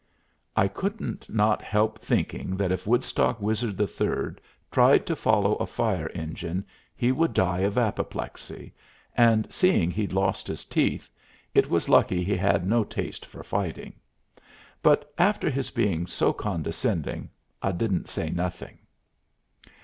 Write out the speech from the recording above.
I could not help thinking that if Woodstock Wizard III tried to follow a fire engine he would die of apoplexy, and seeing he'd lost his teeth, it was lucky he had no taste for fighting; but, after his being so condescending, I didn't say nothing.